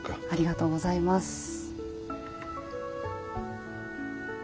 ありがとうございます。